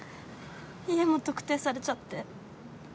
家も特定されちゃって。